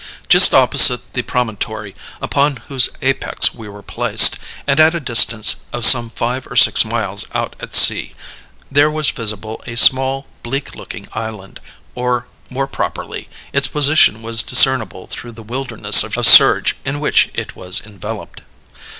Just opposite the promontory upon whose apex we were placed, and at a distance of some five or six miles out at sea, there was visible a small bleak looking island; or more properly, its position was discernible through the wilderness of surge in which it was enveloped.